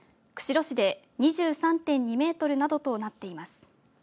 釧路市で２３．２メートルなどとなっています。